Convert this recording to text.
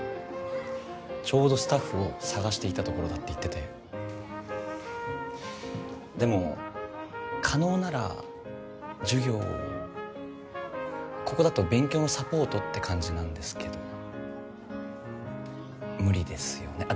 ちょうどスタッフを探していたところだって言っててでも可能なら授業をここだと勉強のサポートって感じなんですけど無理ですよねあっ